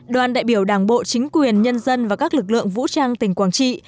đoàn đại biểu đảng bộ chính quyền nhân dân và các lực lượng vũ trang tỉnh quảng trị